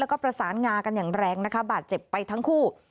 แล้วก็ประสานงากันอย่างแรงนะคะบาดเจ็บไปทั้งคู่